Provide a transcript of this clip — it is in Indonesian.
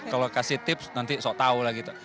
kalau kasih tips nanti sok tahu lah gitu